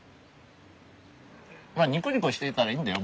まあニコニコしていたらいいんだよ。